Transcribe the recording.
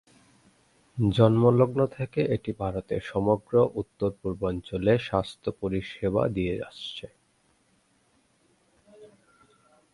জন্মলগ্ন থেকে এটি ভারতের সমগ্র উত্তর-পূর্বাঞ্চলে স্বাস্থ্য পরিষেবা দিয়ে আসছে।